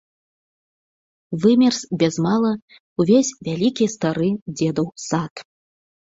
Вымерз без мала ўвесь вялікі стары дзедаў сад.